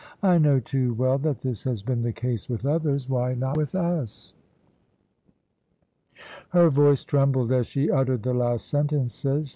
I know too well that this has been the case with others why not with us?" Her voice trembled as she uttered the last sentences.